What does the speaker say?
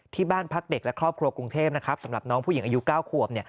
ที่บ้านพักเด็กและครอบครัวกรุงเทพนะครับสำหรับน้องผู้หญิงอายุ๙ขวบ